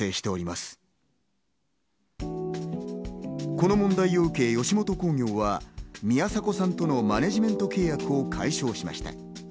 この問題を受け吉本興業は、宮迫さんとのマネジメント契約を解消しました。